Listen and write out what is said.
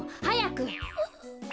はやく！